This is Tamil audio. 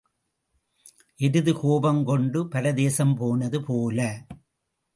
எருது கோபம் கொண்டு பரதேசம் போனது போல.